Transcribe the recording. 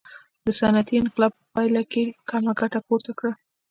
د صنعتي انقلاب په پایله کې یې کمه ګټه پورته کړه.